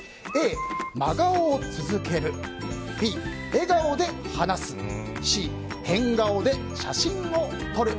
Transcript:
Ａ、真顔を続けるＢ、笑顔で話すＣ、変顔で写真を撮る。